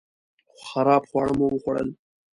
خراب خواړه مو وخوړل